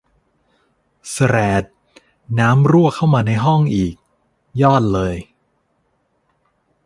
แสรด น้ำรั่วเข้ามาในห้องอีก ยอดเลย